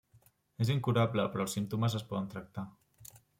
És incurable però els símptomes es poden tractar.